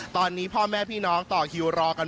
ตอนนี้พ่อแม่พี่น้องต่อคิวรอกัน